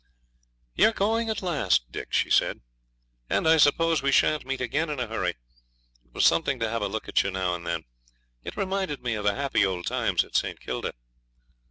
'You're going at last, Dick,' says she; 'and I suppose we shan't meet again in a hurry. It was something to have a look at you now and then. It reminded me of the happy old times at St. Kilda.'